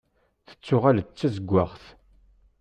Tettuɣal-d d tazewwaɣt.